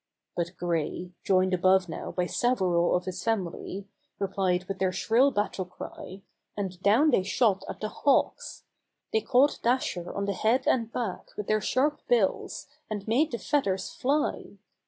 But Gray, joined above now by several of his family, replied with their shrill battlecry, and down they shot at the Hawks. THey caught Dasher on the head and back with their sharp bills and made the feathers fly.